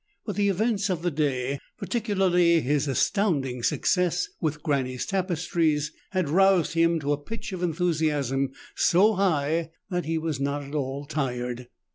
But the events of the day, particularly his astounding success with Granny's tapestries, had roused him to a pitch of enthusiasm so high that he was not at all tired.